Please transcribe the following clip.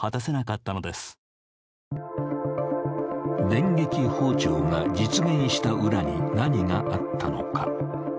電撃訪朝が実現した裏に何があったのか。